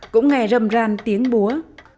cũng nghe rầm ràn tiếng búa